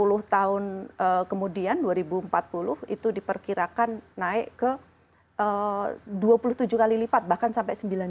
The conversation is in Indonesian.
sepuluh tahun kemudian dua ribu empat puluh itu diperkirakan naik ke dua puluh tujuh kali lipat bahkan sampai sembilan puluh